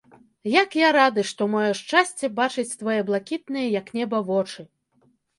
Як я рады, што маю шчасце бачыць твае блакітныя, як неба, вочы!